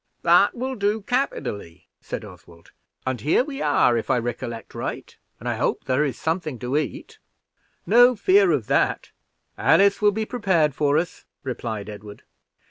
"That will do capitally," said Oswald; "and here we are, if I recollect right, and I hope there is something to eat." "No fear of that Alice will be prepared for us," replied Edward.